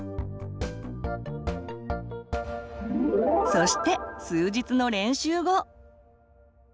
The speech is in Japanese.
そして数日の練習後。